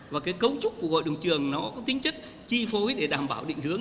và cái cấu trúc của hội đồng trường nó có tính chất chi phối để đảm bảo định hướng